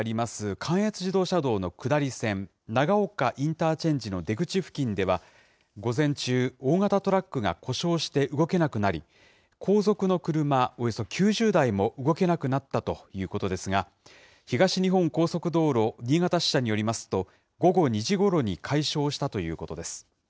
関越自動車道の下り線、長岡インターチェンジの出口付近では、午前中、大型トラックが故障して動けなくなり、後続の車およそ９０台も動けなくなったということですが、東日本高速道路新潟支社によりますと、午後２時ごろに解消したということです。